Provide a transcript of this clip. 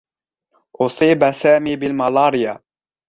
أُصيب سامي بالمالاريا.